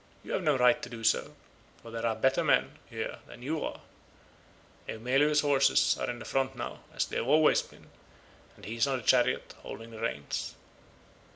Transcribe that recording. You have no right to do so, for there are better men here than you are. Eumelus's horses are in front now, as they always have been, and he is on the chariot holding the reins."